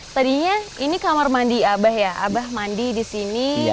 tadinya ini kamar mandi abah ya abah mandi di sini